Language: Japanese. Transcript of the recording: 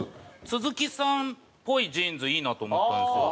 都築さんっぽいジーンズいいなと思ったんですよ。